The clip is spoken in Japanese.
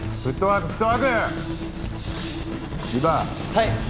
はい！